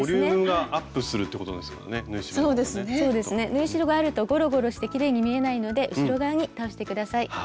縫い代があるとゴロゴロしてきれいに見えないので後ろ側に倒して下さい。